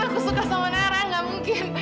aku suka sama nara gak mungkin